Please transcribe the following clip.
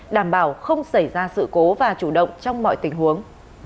đảm bảo không xảy ra sự cố và chủ động trong mọi tình huống